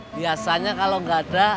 bikin seger bugar